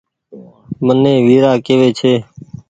مني ويرآ ڪيوي ڇي